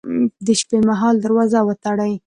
د شپې مهال دروازه وتړئ